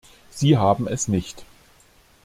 Sie haben es nicht.